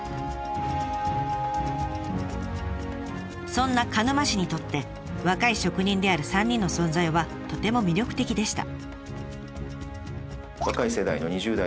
そんな鹿沼市にとって若い職人である３人の存在はとても魅力的でした。